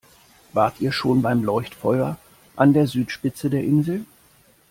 Wart ihr schon beim Leuchtfeuer an der Südspitze der Insel?